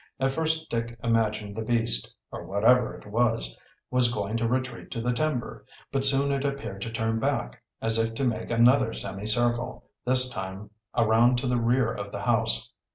At first Dick imagined the beast, or whatever it was, was going to retreat to the timber, but soon it appeared to turn back, as if to make another semicircle, this time around to the rear of the house.